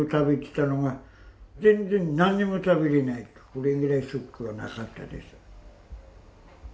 これぐらいショックはなかったです。